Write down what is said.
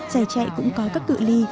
giải chạy cũng có các cự li